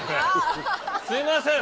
すいません！